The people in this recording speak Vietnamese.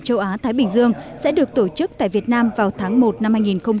châu á thái bình dương sẽ được tổ chức tại việt nam vào tháng một năm hai nghìn hai mươi